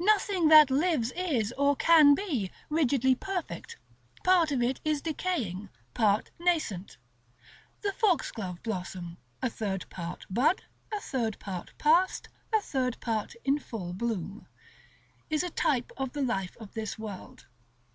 Nothing that lives is, or can be, rigidly perfect; part of it is decaying, part nascent. The foxglove blossom, a third part bud, a third part past, a third part in full bloom, is a type of the life of this world.